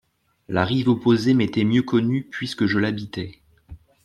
La rive opposée m'était mieux connue puisque je l'habitais.